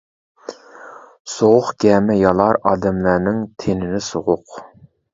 سوغۇق گەمە يالار ئادەملەرنىڭ تېنىنى سوغۇق.